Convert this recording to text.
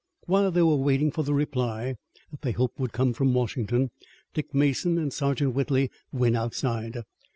While they were waiting for the reply that they hoped would come from Washington, Dick Mason and Sergeant Whitley went outside.